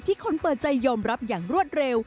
คนเปิดใจยอมรับอย่างรวดเร็ว